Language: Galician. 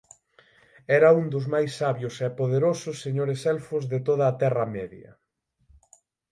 Era un dos máis sabios e poderosos Señores Elfos de toda a Terra Media.